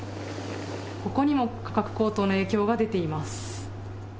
ここにも価格高騰の影響が出ています。